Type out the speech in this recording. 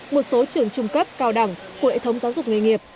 một số trường trung cấp cao đẳng của hệ thống giáo dục nghề nghiệp